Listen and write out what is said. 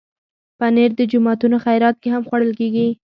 پنېر د جوماتونو خیرات کې هم خوړل کېږي.